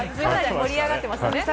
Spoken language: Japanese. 盛り上がってましたね。